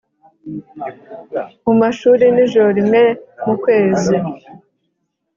mu mashuri nijoro rimwe mu kwezi